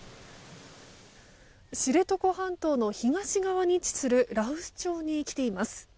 知床半島の東側に位置する羅臼町に来ています。